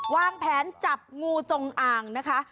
วางแผนจับงูจงอ่างนะคะ